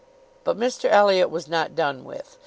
But Mr Elliot was not done with.